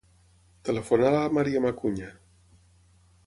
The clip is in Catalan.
Telefona a la Maryam Acuña.